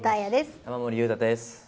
玉森裕太です。